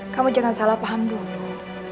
kamu jangan salah paham dulu